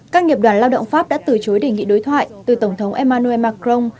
các nghiệp đoàn lao động pháp đã từ chối đề nghị đối thoại từ tổng thống emmanuel macron